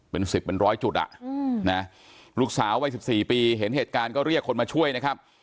เป็น๑๐เป็นร้อยจุดลูกสาววัย๑๔ปีเห็นเหตุการณ์ก็เรียกคนมาช่วยนะครับ